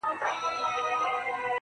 • د دوى دا هيله ده چي.